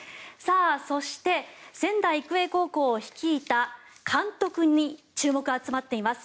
そして、仙台育英高校を率いた監督に注目が集まっています。